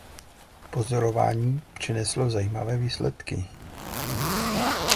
Pozorování přineslo zajímavé výsledky.